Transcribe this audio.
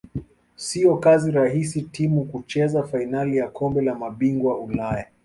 siyo kazi rahis timu kucheza fainali ya kombe la mabingwa ulaya